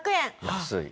安い。